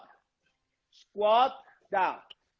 awas satu lagi kembali ke squat